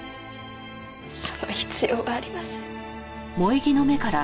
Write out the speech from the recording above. その必要はありません。